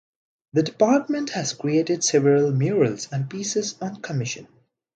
The department has created several murals and pieces on commission.